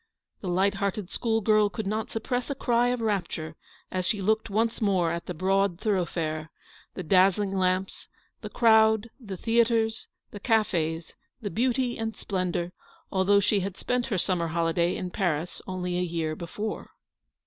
The light hearted school girl could not suppress a cry of rapture as she looked once more at the broad thoroughfare, the dazzling lamps, the crowd, the theatres, the cafes, the beauty and splendour, although she had spent her summer holiday in Paris only a year before.